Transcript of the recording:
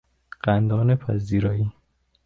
قندان پذیرایی